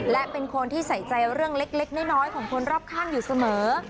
และเป็นคนที่ใส่ใจเรื่องเล็กน้อยของคนรอบข้างอยู่เสมอ